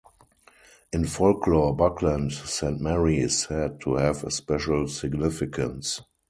In folklore Buckland Saint Mary is said to have a special significance.